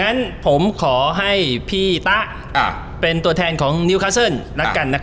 อ้าวทราบหน่อยคุณน